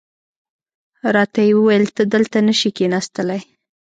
راته یې وویل ته دلته نه شې کېناستلای.